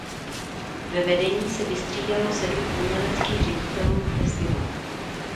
Ve vedení se vystřídalo sedm uměleckých ředitelů festivalu.